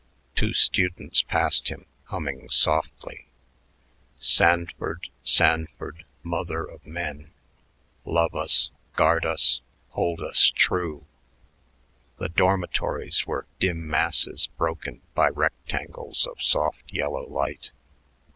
Two students passed him, humming softly, "Sanford, Sanford, mother of men, Love us, guard us, hold us true...." The dormitories were dim masses broken by rectangles of soft yellow light.